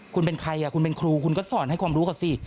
คุณเป็นใครคุณเป็นครูคุณก็สอนให้ความรู้เขาสิ